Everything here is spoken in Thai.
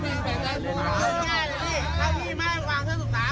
แม่งแม่งหน่อยดิถ้าพี่มาวางเท้าสมน้ำ